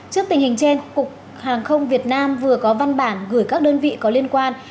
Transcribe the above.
trước tình hình trên cục hàng không việt nam vừa có văn bản gửi các đơn vị có liên quan